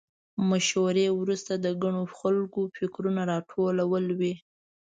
مشورې وروسته د ګڼو خلکو فکرونه راټول وي.